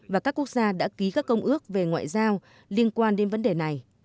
và các quốc gia đã ký các công ước về ngoại giao liên quan đến vấn đề này